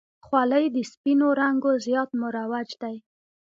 خولۍ د سپینو رنګو زیات مروج دی.